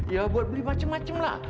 ya buat beli macem macem lah